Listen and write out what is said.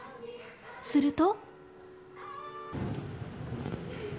すると。